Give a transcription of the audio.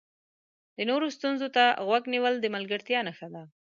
د نورو ستونزو ته غوږ نیول د ملګرتیا نښه ده.